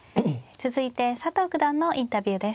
続いて佐藤九段のインタビューです。